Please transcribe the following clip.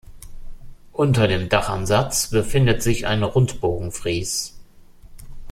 Unter dem Dachansatz befindet sich ein Rundbogenfries.